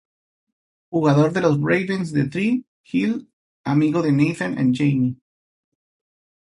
Jugador de los Ravens de Tree Hill, amigo de Nathan y Jamie.